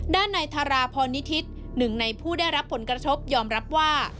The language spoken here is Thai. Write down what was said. ด้านในธาราพรนิทิศหนึ่งในผู้ได้รับผลกระทบยอมรับว่า